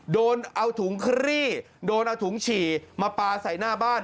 โดนเอาถุงคลี่โดนเอาถุงฉี่มาปลาใส่หน้าบ้าน